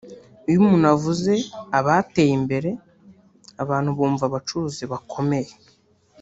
Iyo umuntu avuze abateye imbere abantu bumva abacuruzi bakomeye